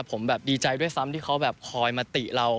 ผมแบบดีใจด้วยซ้ำที่เขาแบบคอยมาติเรา